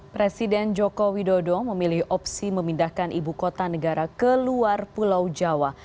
presiden joko widodo memilih opsi memindahkan ibu kota negara ke luar pulau jawa